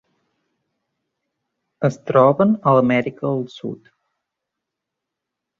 Es troben a l'Amèrica del Sud: